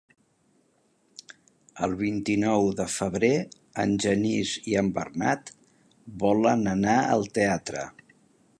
El vint-i-nou de febrer en Genís i en Bernat volen anar al teatre.